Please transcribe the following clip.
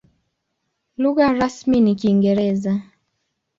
Lugha rasmi ni Kiingereza.